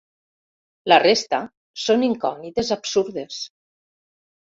La resta són incògnites absurdes.